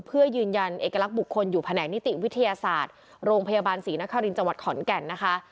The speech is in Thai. เพื่อยืนยันเอกลักษณ์บุคคลอยู่แผนกนิติวิทยาศาสตร์โรงพยาบาลศรีนครินทร์จังหวัดขอนแก่นนะคะ